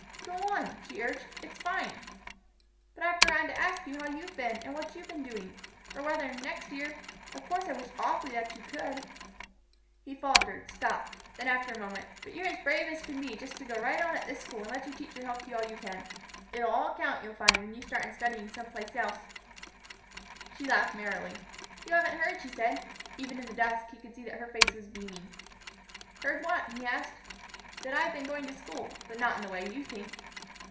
"Go on," she urged; "it's fine!" "But I've forgotten to ask you how you've been and what you've been doing. Or whether next year Of course I wish awfully that you could " He faltered, stopped. Then, after a moment, "But you're as brave as can be to just go right on at this school and let your teacher help you all she can. It'll all count, you'll find, when you start in studying some place else." She laughed merrily. "You haven't heard," she said. Even in the dusk he could see that her face was beaming. "Heard what?" he asked. "That I've been going to school, but not in the way you think."